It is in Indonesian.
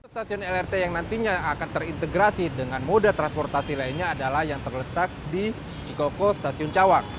stasiun lrt yang nantinya akan terintegrasi dengan moda transportasi lainnya adalah yang terletak di cikoko stasiun cawang